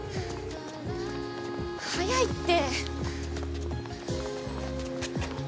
速いって！